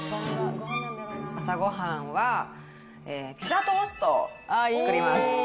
朝ごはんは、ピザトーストを作ります。